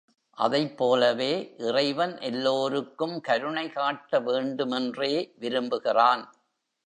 அதைப்போலவே இறைவன் எல்லோருக்கும் கருணை காட்ட வேண்டுமென்றே விரும்புகிறான்.